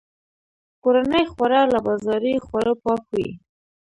کورني خواړه له بازاري خوړو پاک وي.